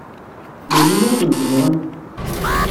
Melmi ad kent-ẓṛen?